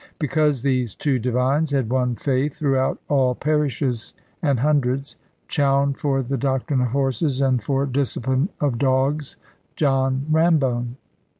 Because these two divines had won faith, throughout all parishes and hundreds: Chowne for the doctrine of horses; and for discipline of dogs, John Rambone.